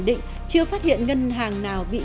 xin chào và hẹn gặp lại